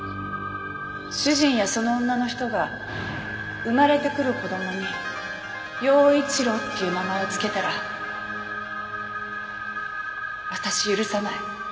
主人やその女の人が生まれてくる子供に耀一郎っていう名前を付けたら私許さない。